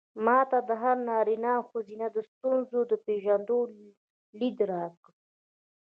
ما ته د هر نارينه او ښځې د ستونزو د پېژندو ليد راکړ.